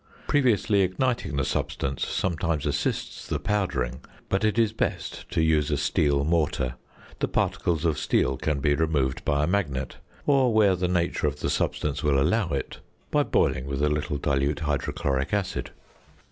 Previously igniting the substance sometimes assists the powdering; but it is best to use a steel mortar. The particles of steel can be removed by a magnet, or, where the nature of the substance will allow it, by boiling with a little dilute hydrochloric acid.